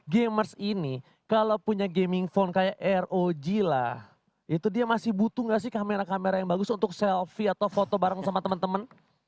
gamers ini kalau punya gaming phone kayak rog lah itu dia masih butuh nggak sih kamera kamera yang bagus untuk selfie atau foto bareng sama teman teman